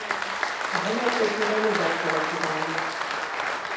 A vonal többnyire nyugat-kelet irányú.